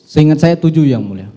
seingat saya tujuh yang mulia